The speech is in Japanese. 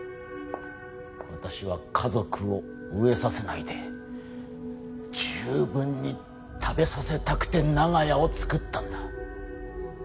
私は家族を飢えさせないで十分に食べさせたくて長屋を作ったんだ。